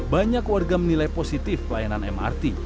banyak warga menilai positif pelayanan mrt